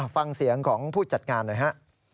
ฟังเสียงของผู้จัดงานหน่อยฮะ